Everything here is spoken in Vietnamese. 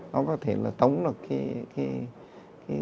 nó có thể là tống được cái